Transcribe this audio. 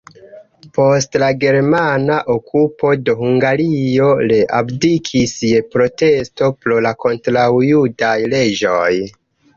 Post la germana okupo de Hungario le abdikis je protesto pro la kontraŭjudaj leĝoj.